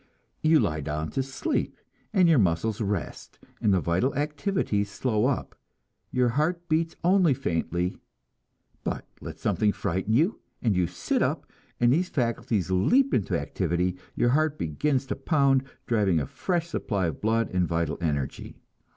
You lie down to sleep, and your muscles rest, and the vital activities slow up, your heart beats only faintly; but let something frighten you, and you sit up, and these faculties leap into activity, your heart begins to pound, driving a fresh supply of blood and vital energy.